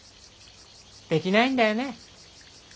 できないんだよね？